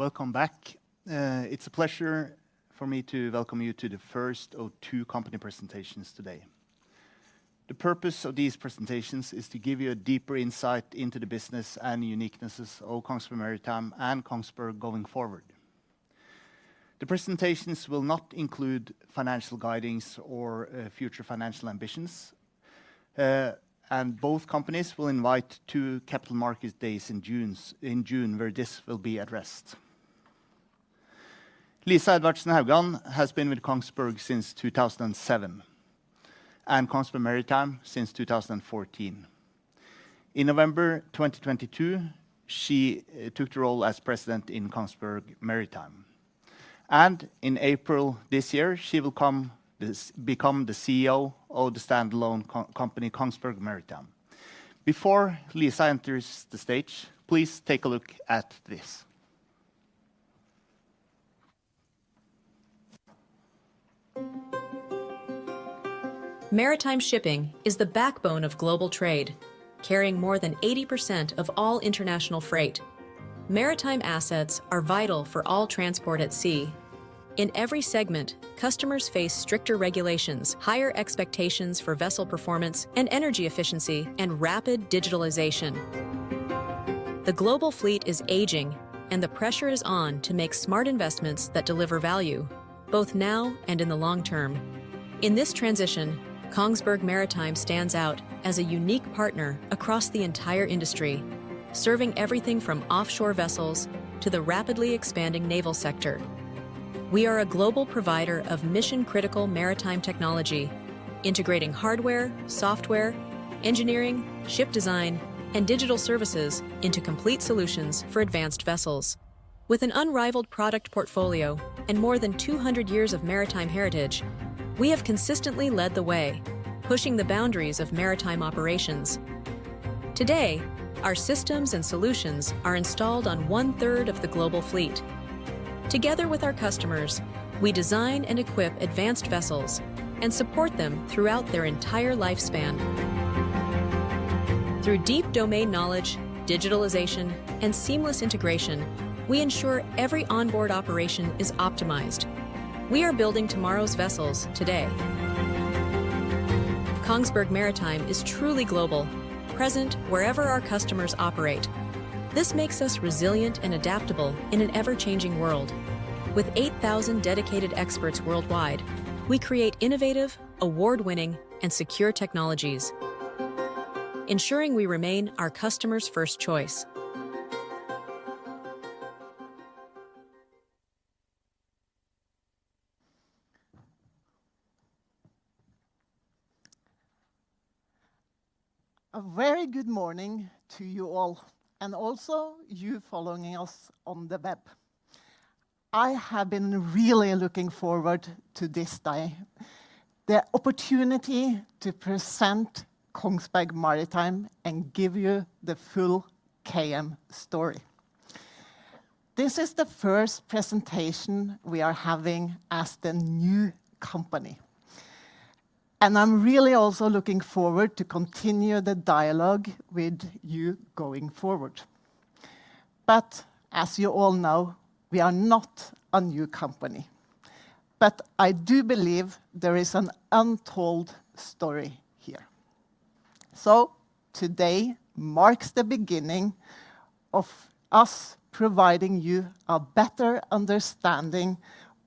Welcome back. It's a pleasure for me to welcome you to the first of two company presentations today. The purpose of these presentations is to give you a deeper insight into the business and uniquenesses of Kongsberg Maritime and Kongsberg going forward. The presentations will not include financial guidings or future financial ambitions. Both companies will invite two Capital Markets Days in June, where this will be addressed. Lisa Edvardsen Haugan has been with Kongsberg since 2007, and Kongsberg Maritime since 2014. In November 2022, she took the role as president in Kongsberg Maritime. In April this year, she will become the CEO of the standalone company, Kongsberg Maritime. Before Lise enters the stage, please take a look at this. Maritime shipping is the backbone of global trade, carrying more than 80% of all international freight. Maritime assets are vital for all transport at sea. In every segment, customers face stricter regulations, higher expectations for vessel performance and energy efficiency, and rapid digitalization. The global fleet is aging, and the pressure is on to make smart investments that deliver value both now and in the long term. In this transition, Kongsberg Maritime stands out as a unique partner across the entire industry, serving everything from offshore vessels to the rapidly expanding naval sector. We are a global provider of mission-critical maritime technology, integrating hardware, software, engineering, ship design, and digital services into complete solutions for advanced vessels. With an unrivaled product portfolio and more than 200 years of maritime heritage, we have consistently led the way, pushing the boundaries of maritime operations. Today, our systems and solutions are installed on 1/3 of the global fleet. Together with our customers, we design and equip advanced vessels and support them throughout their entire lifespan. Through deep domain knowledge, digitalization, and seamless integration, we ensure every onboard operation is optimized. We are building tomorrow's vessels today. Kongsberg Maritime is truly global, present wherever our customers operate. This makes us resilient and adaptable in an ever-changing world. With 8,000 dedicated experts worldwide, we create innovative, award-winning, and secure technologies, ensuring we remain our customers' first choice. A very good morning to you all, also you following us on the web. I have been really looking forward to this day, the opportunity to present Kongsberg Maritime and give you the full KM story. This is the first presentation we are having as the new company. I'm really also looking forward to continue the dialogue with you going forward. As you all know, we are not a new company. I do believe there is an untold story here. Today marks the beginning of us providing you a better understanding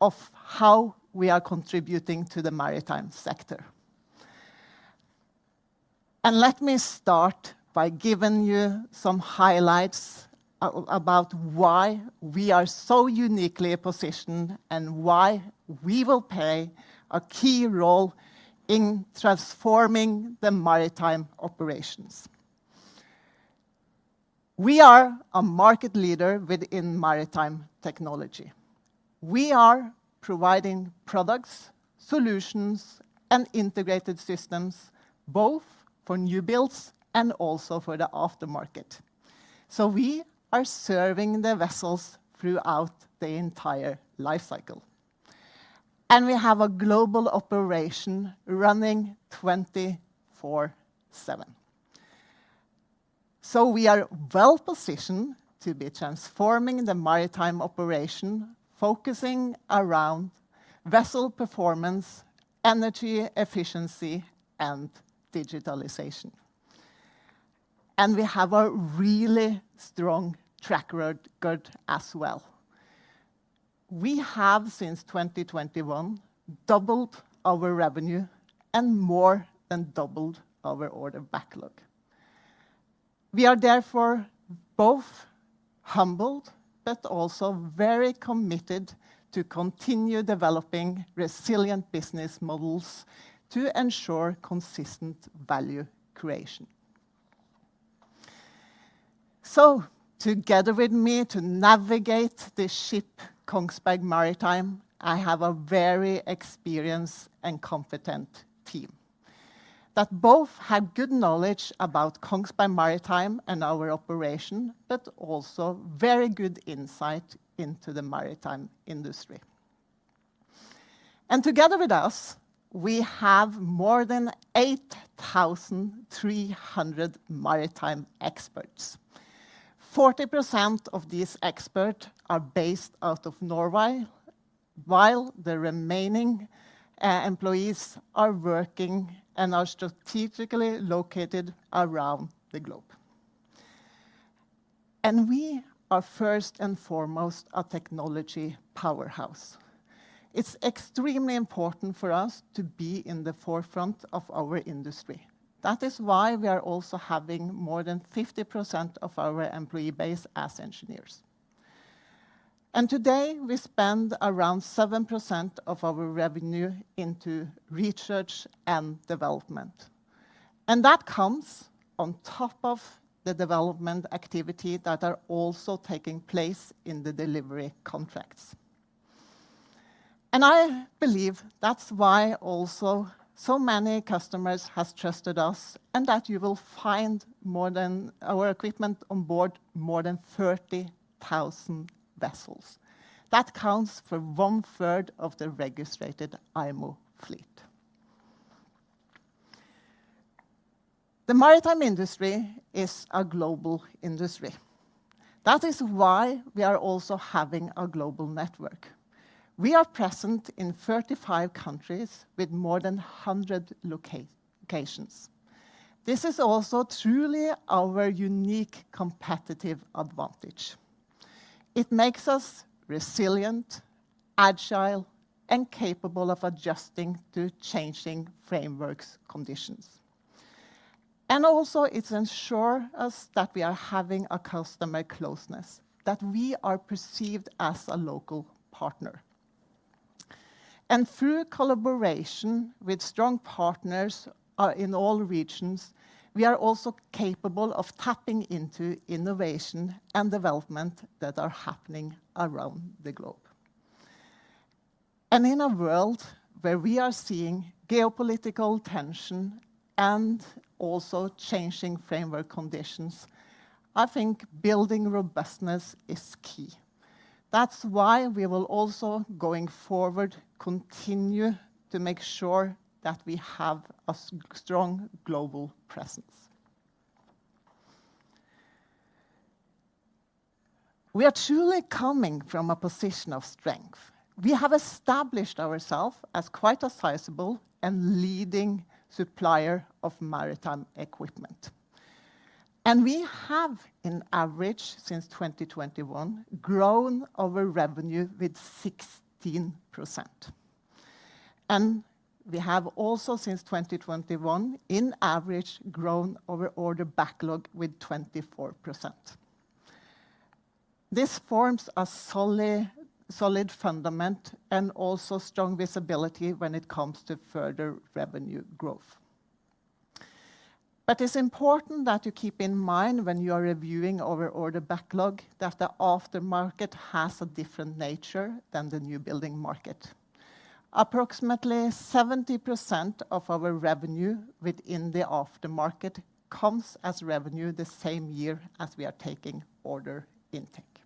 of how we are contributing to the maritime sector. Let me start by giving you some highlights about why we are so uniquely positioned and why we will play a key role in transforming the maritime operations. We are a market leader within maritime technology. We are providing products, solutions, and integrated systems both for new builds and also for the aftermarket. We are serving the vessels throughout the entire life cycle, and we have a global operation running 24/7. We are well-positioned to be transforming the maritime operation, focusing around vessel performance, energy efficiency, and digitalization. We have a really strong track record as well. We have, since 2021, doubled our revenue and more than doubled our order backlog. We are therefore both humbled but also very committed to continue developing resilient business models to ensure consistent value creation. Together with me to navigate this ship, Kongsberg Maritime, I have a very experienced and competent team that both have good knowledge about Kongsberg Maritime and our operation, but also very good insight into the maritime industry. Together with us, we have more than 8,300 maritime experts. 40% of these expert are based out of Norway, while the remaining employees are working and are strategically located around the globe. We are first and foremost a technology powerhouse. It's extremely important for us to be in the forefront of our industry. That is why we are also having more than 50% of our employee base as engineers. Today, we spend around 7% of our revenue into research and development. That comes on top of the development activity that are also taking place in the delivery contracts. I believe that's why also so many customers has trusted us, and that you will find more than our equipment on board more than 30,000 vessels. That counts for 1/3 of the registered IMO fleet. The maritime industry is a global industry. That is why we are also having a global network. We are present in 35 countries with more than 100 locations. This is also truly our unique competitive advantage. It makes us resilient, agile, and capable of adjusting to changing frameworks conditions. Also, it ensure us that we are having a customer closeness, that we are perceived as a local partner. Through collaboration with strong partners, in all regions, we are also capable of tapping into innovation and development that are happening around the globe. In a world where we are seeing geopolitical tension and also changing framework conditions, I think building robustness is key. That's why we will also, going forward, continue to make sure that we have a strong global presence. We are truly coming from a position of strength. We have established ourself as quite a sizable and leading supplier of maritime equipment. We have, in average since 2021, grown our revenue with 16%. We have also, since 2021, in average, grown our order backlog with 24%. This forms a solid fundament and also strong visibility when it comes to further revenue growth. It's important that you keep in mind when you are reviewing our order backlog that the aftermarket has a different nature than the new building market. Approximately 70% of our revenue within the aftermarket comes as revenue the same year as we are taking order intake.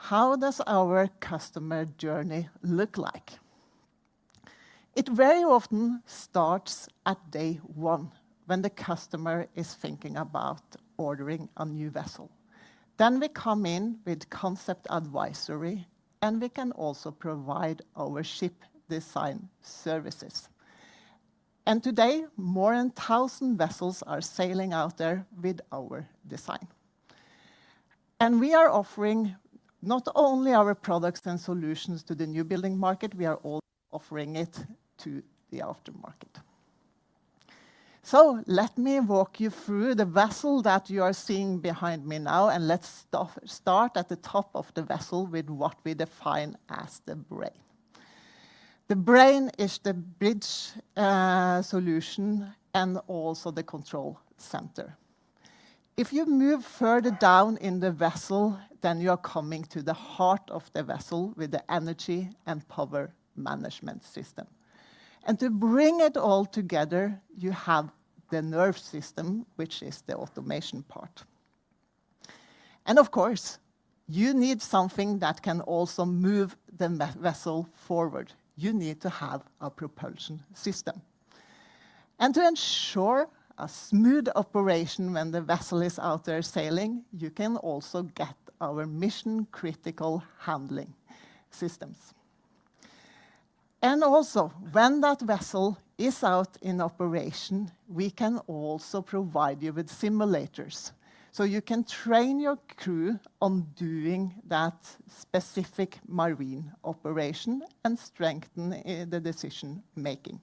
How does our customer journey look like? It very often starts at day one when the customer is thinking about ordering a new vessel. We come in with concept advisory, and we can also provide our ship design services. Today, more than 1,000 vessels are sailing out there with our design. We are offering not only our products and solutions to the new building market, we are also offering it to the aftermarket. Let me walk you through the vessel that you are seeing behind me now, and let's start at the top of the vessel with what we define as the brain. The brain is the bridge solution and also the control center. If you move further down in the vessel, then you are coming to the heart of the vessel with the energy and power management system. To bring it all together, you have the nerve system, which is the automation part. Of course, you need something that can also move the vessel forward. You need to have a propulsion system. To ensure a smooth operation when the vessel is out there sailing, you can also get our mission-critical handling systems. Also, when that vessel is out in operation, we can also provide you with simulators, so you can train your crew on doing that specific marine operation and strengthen the decision making.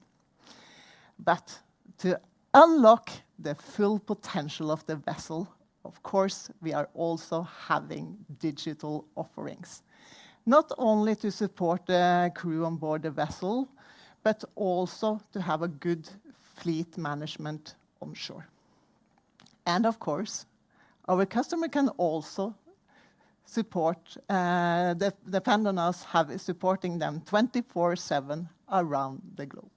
To unlock the full potential of the vessel, of course, we are also having digital offerings, not only to support the crew on board the vessel, but also to have a good fleet management onshore. Of course, our customer can also support, supporting them 24/7 around the globe.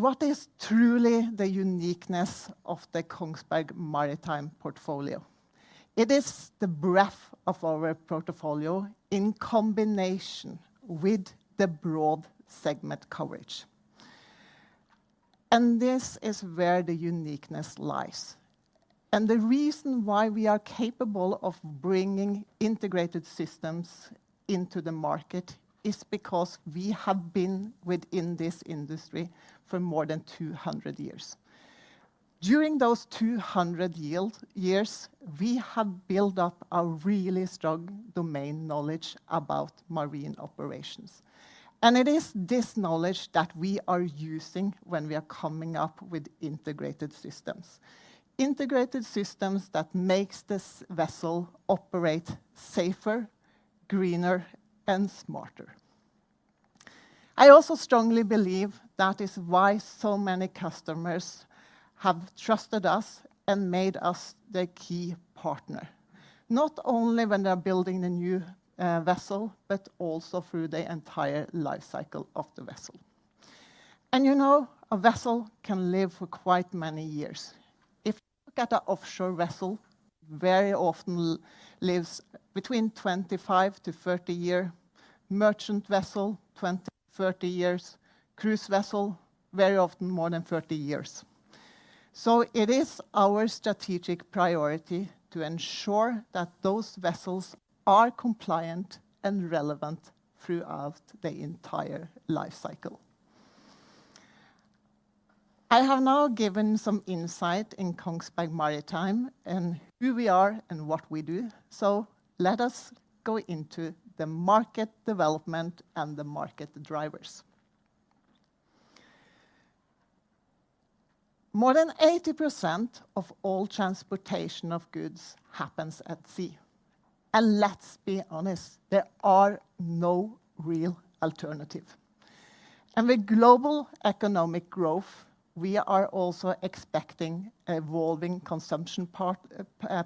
What is truly the uniqueness of the Kongsberg Maritime portfolio? It is the breadth of our portfolio in combination with the broad segment coverage. This is where the uniqueness lies. The reason why we are capable of bringing integrated systems into the market is because we have been within this industry for more than 200 years. During those 200 years, we have built up a really strong domain knowledge about marine operations. It is this knowledge that we are using when we are coming up with integrated systems, integrated systems that makes this vessel operate safer, greener and smarter. I also strongly believe that is why so many customers have trusted us and made us their key partner, not only when they are building a new vessel, but also through the entire life cycle of the vessel. You know, a vessel can live for quite many years. If you look at an offshore vessel, very often lives between 25 to 30 year, merchant vessel 20-30 years, cruise vessel very often more than 30 years. It is our strategic priority to ensure that those vessels are compliant and relevant throughout their entire life cycle. I have now given some insight in Kongsberg Maritime and who we are and what we do. Let us go into the market development and the market drivers. More than 80% of all transportation of goods happens at sea. Let's be honest, there are no real alternative. With global economic growth, we are also expecting evolving consumption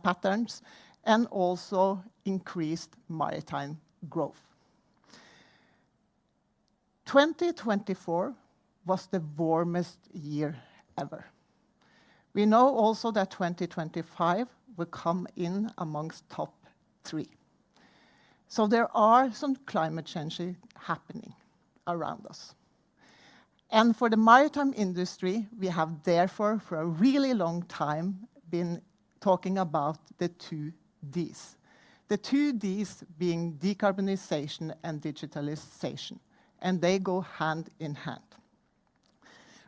patterns and also increased maritime growth. 2024 was the warmest year ever. We know also that 2025 will come in amongst top three. There are some climate change happening around us. For the maritime industry, we have therefore for a really long time been talking about the two Ds. The two Ds being decarbonization and digitalization, and they go hand in hand.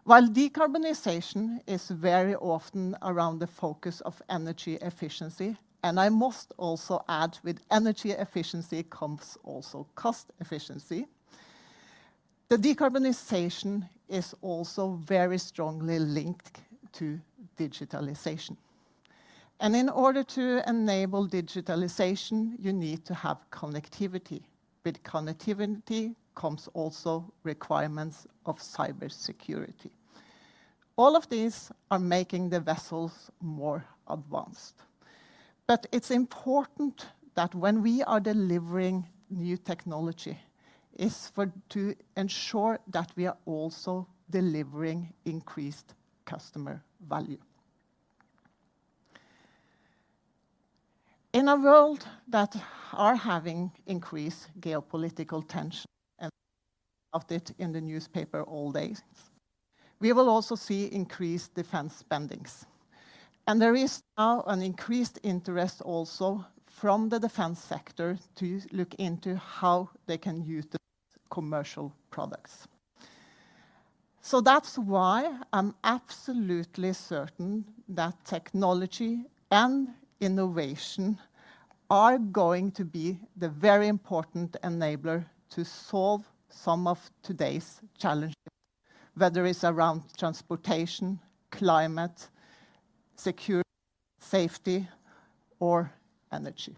While decarbonization is very often around the focus of energy efficiency, and I must also add with energy efficiency comes also cost efficiency, the decarbonization is also very strongly linked to digitalization. In order to enable digitalization, you need to have connectivity. With connectivity comes also requirements of cybersecurity. All of these are making the vessels more advanced. It's important that when we are delivering new technology to ensure that we are also delivering increased customer value. In a world that are having increased geopolitical tension and of it in the newspaper all day, we will also see increased defense spendings. There is now an increased interest also from the defense sector to look into how they can use the commercial products. That's why I'm absolutely certain that technology and innovation are going to be the very important enabler to solve some of today's challenges, whether it's around transportation, climate, security, safety, or energy.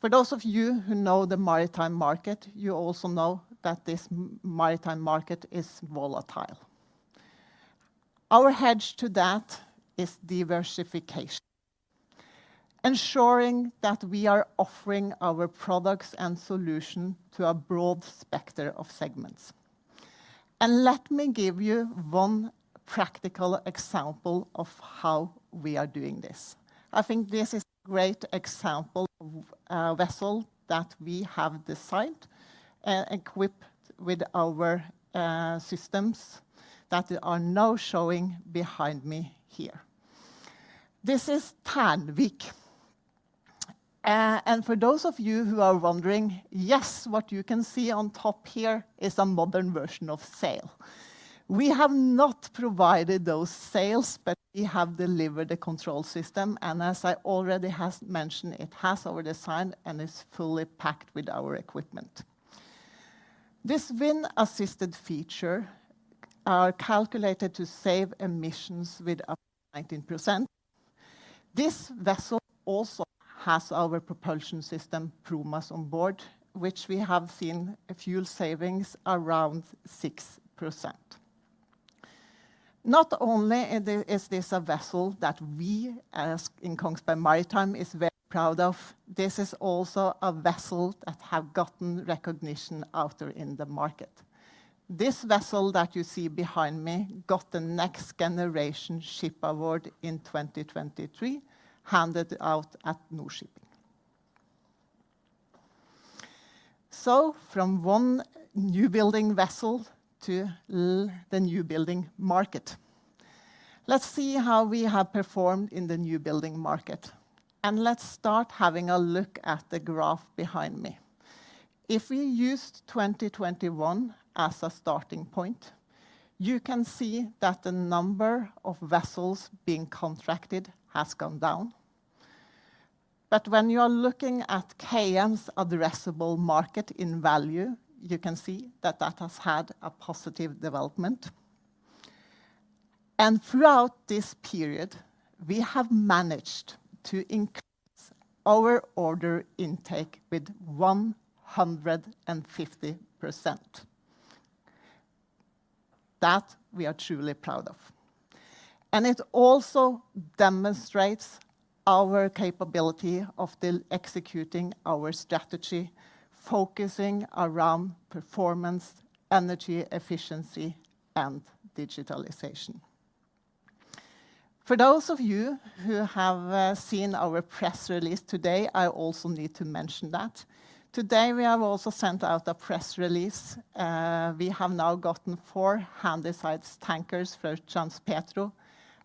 For those of you who know the maritime market, you also know that this maritime market is volatile. Our hedge to that is diversification, ensuring that we are offering our products and solution to a broad spectrum of segments. Let me give you one practical example of how we are doing this. I think this is a great example of a vessel that we have designed and equipped with our systems that are now showing behind me here. This is Godvik. For those of you who are wondering, yes, what you can see on top here is a modern version of sail. We have not provided those sails, but we have delivered a control system, and as I already has mentioned, it has our design and is fully packed with our equipment. This wind-assisted feature are calculated to save emissions with up to 19%. This vessel also has our propulsion system, Promas, on board, which we have seen a fuel savings around 6%. Not only is this a vessel that we as in Kongsberg Maritime is very proud of, this is also a vessel that have gotten recognition out there in the market. This vessel that you see behind me got the Next Generation Ship Award in 2023, handed out at Nor-Shipping. From one new building vessel to the new building market. Let's see how we have performed in the new building market, and let's start having a look at the graph behind me. If we used 2021 as a starting point, you can see that the number of vessels being contracted has gone down. When you are looking at KM's addressable market in value, you can see that that has had a positive development. Throughout this period, we have managed to increase our order intake with 150%. That we are truly proud of. It also demonstrates our capability of still executing our strategy, focusing around performance, energy efficiency, and digitalization. For those of you who have seen our press release today, I also need to mention that today we have also sent out a press release. We have now gotten four handysize tankers for Transpetro.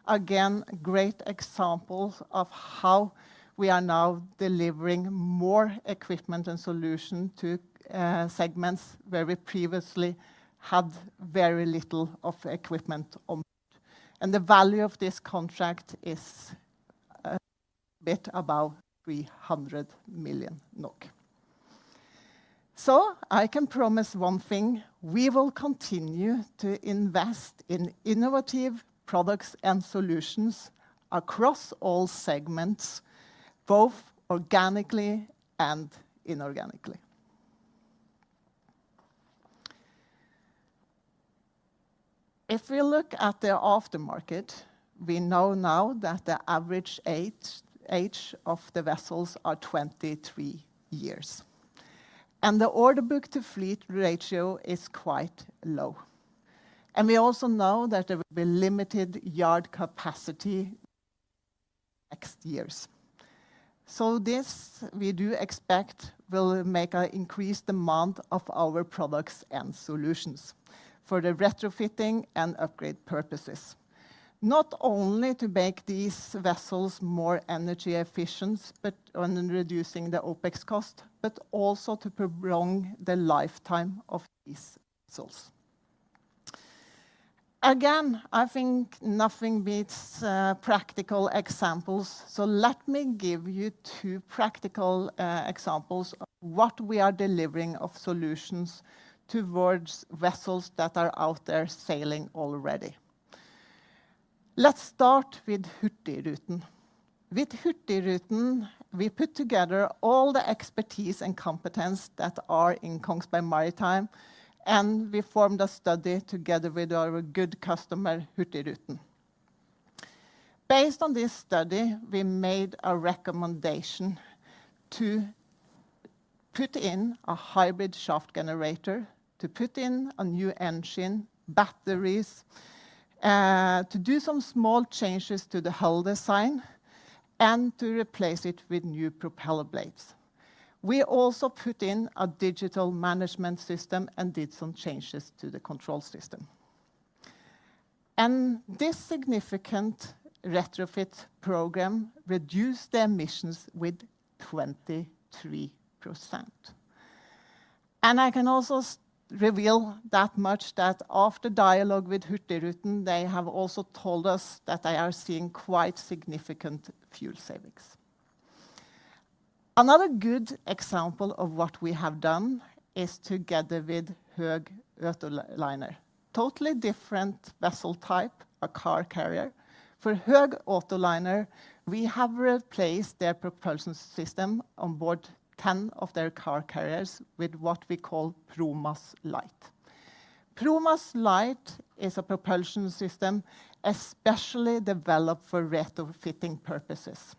Again, great examples of how we are now delivering more equipment and solution to segments where we previously had very little of equipment on. The value of this contract is a bit above 300 million NOK. I can promise one thing, we will continue to invest in innovative products and solutions across all segments, both organically and inorganically. If we look at the after market, we know now that the average age of the vessels are 23 years, and the order book to fleet ratio is quite low. We also know that there will be limited yard capacity next years. This we do expect will make an increased demand of our products and solutions for the retrofitting and upgrade purposes. Not only to make these vessels more energy efficient, but on reducing the OpEx cost, but also to prolong the lifetime of these vessels. Again, I think nothing beats practical examples. Let me give you two practical examples of what we are delivering of solutions towards vessels that are out there sailing already. Let's start with Hurtigruten. With Hurtigruten, we put together all the expertise and competence that are in Kongsberg Maritime. We formed a study together with our good customer, Hurtigruten. Based on this study, we made a recommendation to put in a hybrid shaft generator, to put in a new engine, batteries, to do some small changes to the hull design. To replace it with new propeller blades. We also put in a digital management system. Did some changes to the control system. This significant retrofit program reduced the emissions with 23%. I can also reveal that much that after dialogue with Hurtigruten, they have also told us that they are seeing quite significant fuel savings. Another good example of what we have done is together with Höegh Autoliners. Totally different vessel type, a car carrier. For Höegh Autoliners, we have replaced their propulsion system on board 10 of their car carriers with what we call Promas Lite. Promas Lite is a propulsion system especially developed for retrofitting purposes.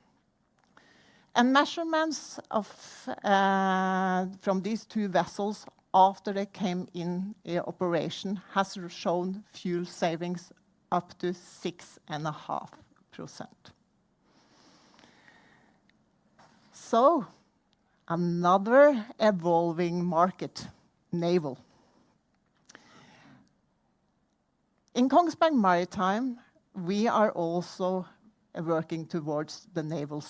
Measurements of from these two vessels after they came in operation has shown fuel savings up to 6.5%. Another evolving market, naval. In Kongsberg Maritime, we are also working towards the naval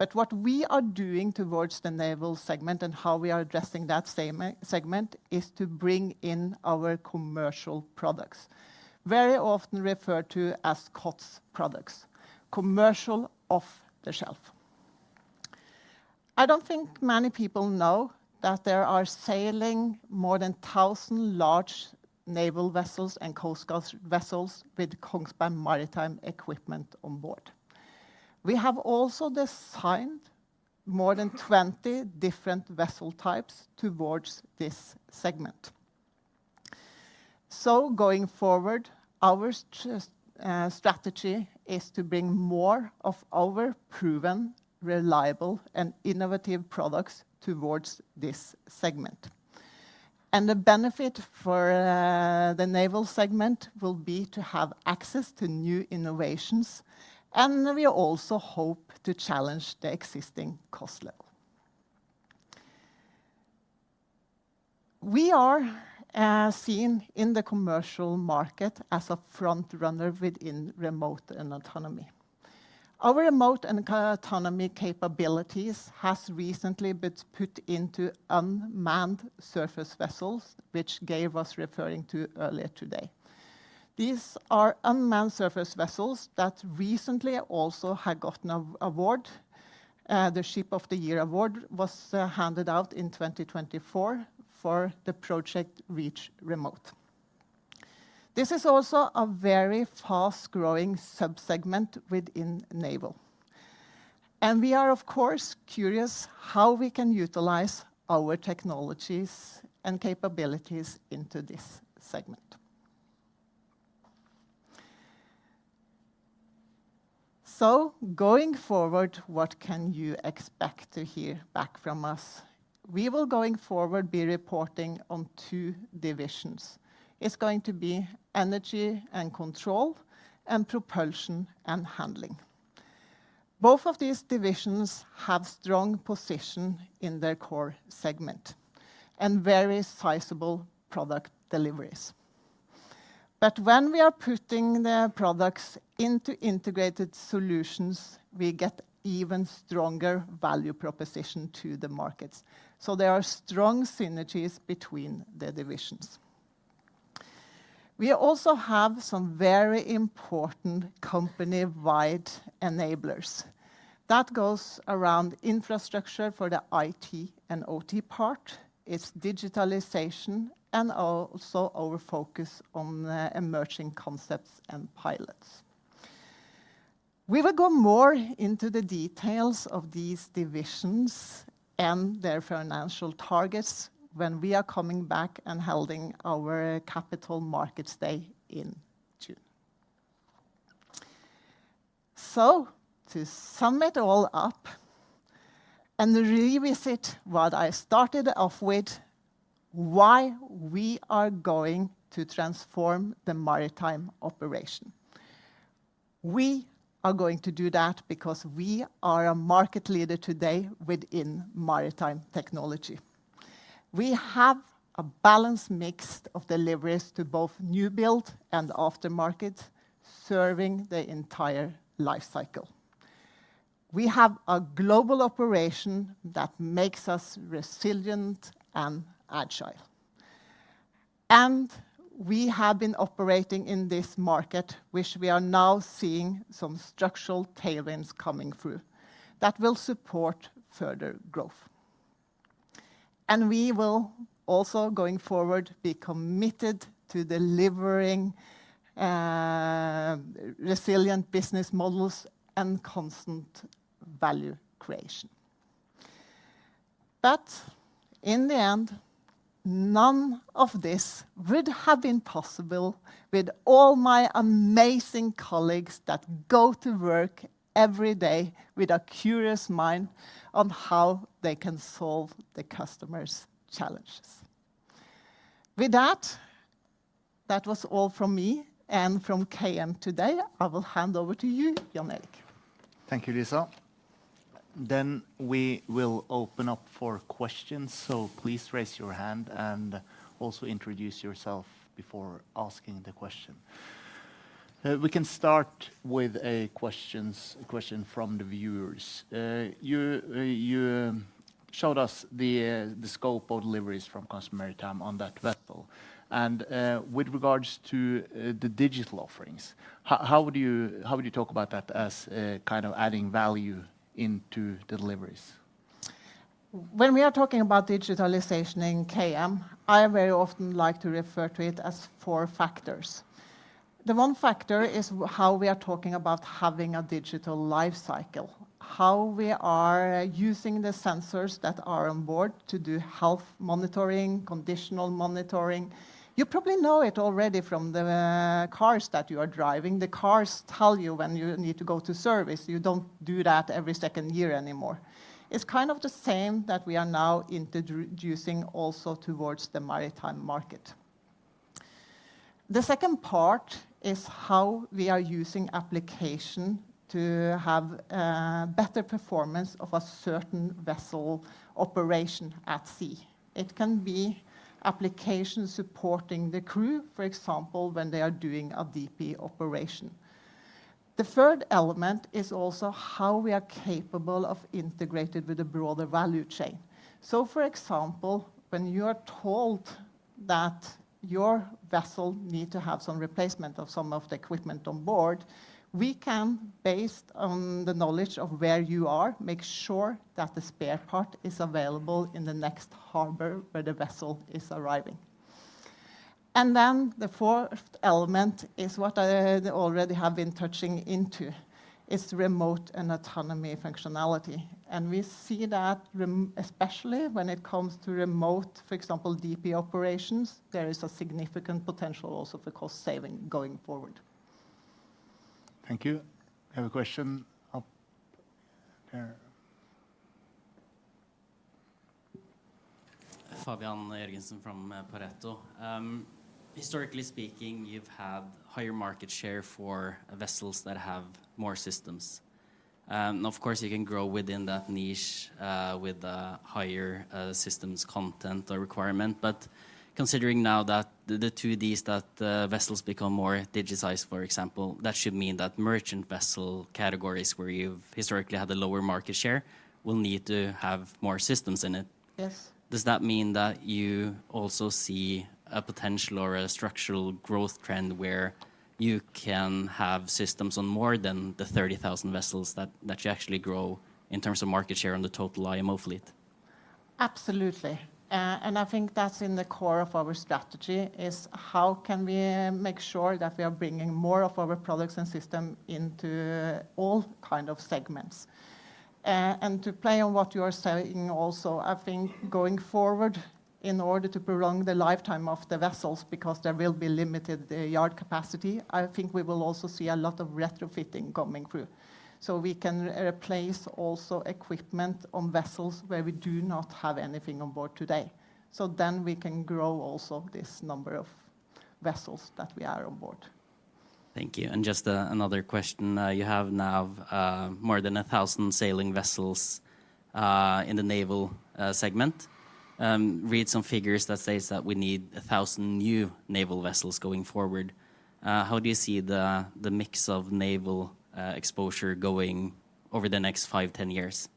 segment. What we are doing towards the naval segment and how we are addressing that same segment is to bring in our commercial products, very often referred to as COTS products, commercial off the shelf. I don't think many people know that there are sailing more than 1,000 large naval vessels and coast guard vessels with Kongsberg Maritime equipment on board. We have also designed more than 20 different vessel types towards this segment. Going forward, our strategy is to bring more of our proven, reliable, and innovative products towards this segment. The benefit for the naval segment will be to have access to new innovations, and we also hope to challenge the existing cost level. We are seen in the commercial market as a frontrunner within remote and autonomy. Our remote and autonomy capabilities has recently been put into unmanned surface vessels, which Gabe was referring to earlier today. These are unmanned surface vessels that recently also had gotten an award. The Ship of the Year award was handed out in 2024 for the Project Reach Remote. This is also a very fast-growing sub-segment within naval. We are, of course, curious how we can utilize our technologies and capabilities into this segment. Going forward, what can you expect to hear back from us? We will, going forward, be reporting on two divisions. It's going to be Energy and Control and Propulsion and Handling. Both of these divisions have strong position in their core segment and very sizable product deliveries. When we are putting their products into integrated solutions, we get even stronger value proposition to the markets. There are strong synergies between the divisions. We also have some very important company-wide enablers. That goes around infrastructure for the IT and OT part, its digitalization, and also our focus on the emerging concepts and pilots. We will go more into the details of these divisions and their financial targets when we are coming back and holding our Capital Markets Day in June. To sum it all up and revisit what I started off with, why we are going to transform the maritime operation. We are going to do that because we are a market leader today within maritime technology. We have a balanced mix of deliveries to both new build and aftermarket, serving the entire life cycle. We have a global operation that makes us resilient and agile. We have been operating in this market, which we are now seeing some structural tailwinds coming through that will support further growth. We will also, going forward, be committed to delivering resilient business models and constant value creation. In the end, none of this would have been possible with all my amazing colleagues that go to work every day with a curious mind on how they can solve the customers' challenges. With that was all from me and from KM today. I will hand over to you, Jan-Erik. Thank you, Lisa. We will open up for questions, so please raise your hand and also introduce yourself before asking the question. We can start with a question from the viewers. You showed us the scope of deliveries from Kongsberg Maritime on that vessel. With regards to the digital offerings, how would you talk about that as kind of adding value into the deliveries? When we are talking about digitalization in KM, I very often like to refer to it as four factors. The one factor is how we are talking about having a digital life cycle, how we are using the sensors that are on board to do health monitoring, conditional monitoring. You probably know it already from the cars that you are driving. The cars tell you when you need to go to service. You don't do that every second year anymore. It's kind of the same that we are now introducing also towards the maritime market. The second part is how we are using application to have better performance of a certain vessel operation at sea. It can be applications supporting the crew, for example, when they are doing a DP operation. The third element is also how we are capable of integrated with the broader value chain. For example, when you are told that your vessel need to have some replacement of some of the equipment on board, we can, based on the knowledge of where you are, make sure that the spare part is available in the next harbor where the vessel is arriving. The fourth element is what I already have been touching into, is remote and autonomy functionality. We see that especially when it comes to remote, for example, DP operations, there is a significant potential also for cost saving going forward. Thank you. I have a question up there. Fabian Jørgensen from Pareto. Historically speaking, you've had higher market share for vessels that have more systems. Of course, you can grow within that niche with higher systems content or requirement. Considering now that the two Ds that the vessels become more digitized, for example, that should mean that merchant vessel categories where you've historically had a lower market share will need to have more systems in it. Yes. Does that mean that you also see a potential or a structural growth trend where you can have systems on more than the 30,000 vessels that you actually grow in terms of market share on the total IMO fleet? Absolutely. I think that's in the core of our strategy is how can we make sure that we are bringing more of our products and system into all kind of segments. To play on what you are saying also, I think going forward, in order to prolong the lifetime of the vessels, because there will be limited yard capacity, I think we will also see a lot of retrofitting coming through. We can replace also equipment on vessels where we do not have anything on board today. We can grow also this number of vessels that we are on board. Thank you. Just another question. You have now more than 1,000 sailing vessels in the naval segment. Read some figures that says that we need 1,000 new naval vessels going forward. How do you see the mix of naval exposure going over the next five, ten years?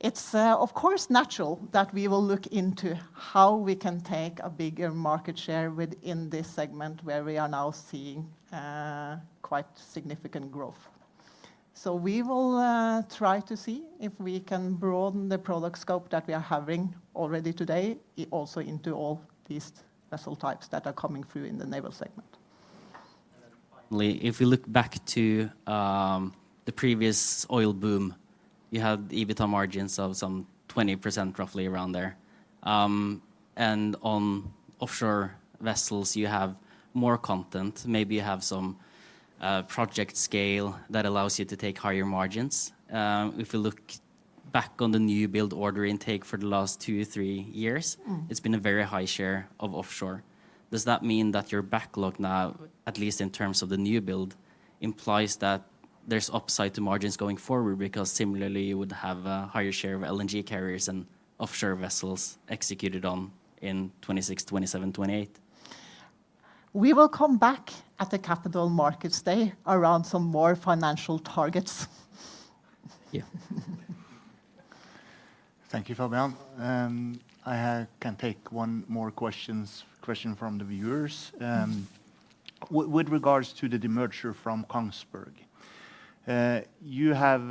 It's, of course, natural that we will look into how we can take a bigger market share within this segment where we are now seeing, quite significant growth. We will try to see if we can broaden the product scope that we are having already today, also into all these vessel types that are coming through in the naval segment. Finally, if we look back to the previous oil boom, you have EBITA margins of some 20% roughly around there. On offshore vessels, you have more content. Maybe you have some project scale that allows you to take higher margins. If you look back on the new build order intake for the last two, three years. Mm. It's been a very high share of offshore. Does that mean that your backlog now, at least in terms of the new build, implies that there's upside to margins going forward? Similarly, you would have a higher share of LNG carriers and offshore vessels executed on in 2026, 2027, 2028. We will come back at the Capital Markets Day around some more financial targets. Yeah. Thank you, Fabian. I can take one more question from the viewers. With regards to the demerger from Kongsberg, you have,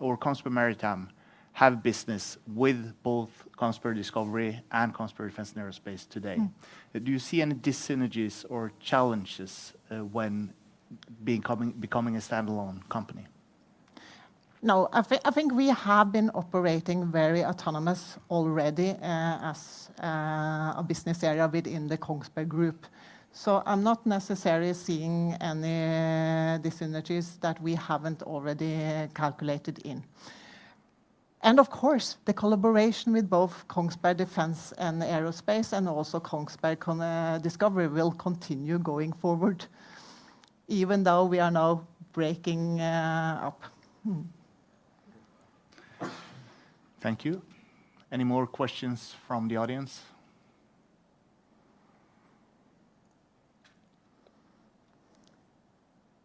or Kongsberg Maritime, have business with both Kongsberg Discovery and Kongsberg Defence & Aerospace today. Mm. Do you see any dyssynergies or challenges, when becoming a stand-alone company? No. I think we have been operating very autonomous already, as a business area within the Kongsberg Gruppen. I'm not necessarily seeing any dyssynergies that we haven't already calculated in. Of course, the collaboration with both Kongsberg Defence & Aerospace and also Kongsberg Discovery will continue going forward, even though we are now breaking up. Thank you. Any more questions from the audience?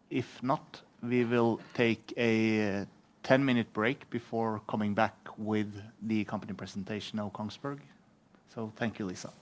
If not, we will take a 10-minute break before coming back with the company presentation of Kongsberg. Thank you, Lisa.